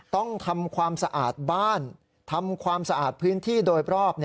ต้องทำความสะอาดบ้านทำความสะอาดพื้นที่โดยรอบ